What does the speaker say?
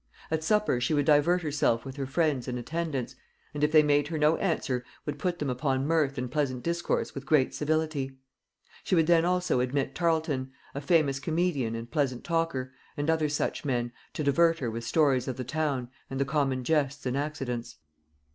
"At supper she would divert herself with her friends and attendants, and if they made her no answer would put them upon mirth and pleasant discourse with great civility. She would then also admit Tarleton, a famous comedian and pleasant talker, and other such men, to divert her with stories of the town and the common jests and accidents."